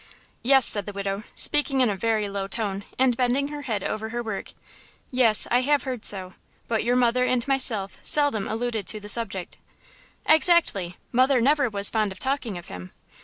"Yes," said the widow, speaking in a very low tone and bending her head over her work; "yes, I have heard so; but your mother and myself seldom alluded to the subject." "Exactly; mother never was fond of talking of him.